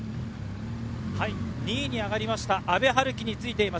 ２位に上がりました阿部陽樹についています。